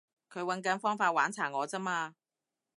佢搵緊方法玩殘我咋嘛